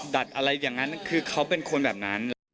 อะไรอย่างนั้นคือเขาเป็นคนแบบนั้น